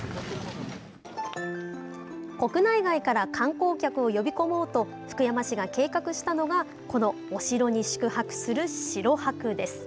国内外から観光客を呼び込もうと福山市が計画したのがこのお城に宿泊する城泊です。